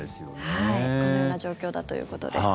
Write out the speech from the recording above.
このような状況だということです。